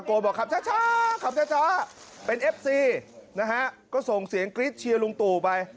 ขอบคุณเจ้าเป็นเอฟซีนะฮะก็ส่งเสียงกริ๊ดเชียวลุงตู่ไป